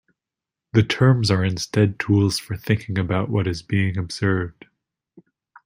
The terms are instead tools for thinking about what is being observed.